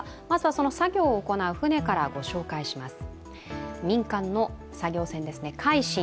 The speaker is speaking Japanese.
その作業を行う船からご紹介いたします。